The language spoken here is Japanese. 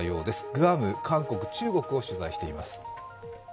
グアム、韓国、中国を取材しています。